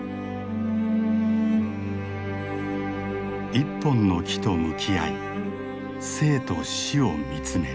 一本の木と向き合い生と死を見つめる。